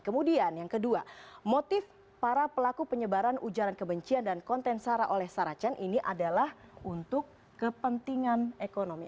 kemudian yang kedua motif para pelaku penyebaran ujaran kebencian dan konten sara oleh saracen ini adalah untuk kepentingan ekonomi